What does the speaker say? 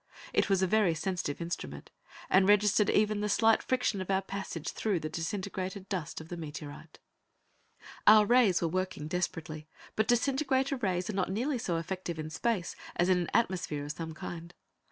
It was a very sensitive instrument, and registered even the slight friction of our passage through the disintegrated dust of the meteorite. Our rays were working desperately, but disintegrator rays are not nearly so effective in space as in an atmosphere of some kind.